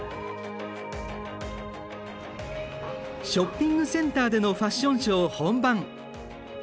ショッピングセンターでのファッションショー本番。